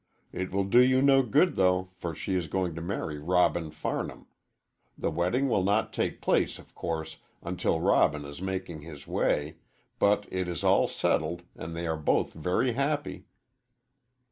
It will do you no good, though, for she is going to marry Robin Farnham. The wedding will not take place, of course, until Robin is making his way, but it is all settled, and they are both very happy."